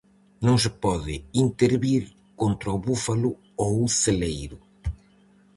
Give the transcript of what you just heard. Non se pode intervir contra o búfalo ou o celeiro.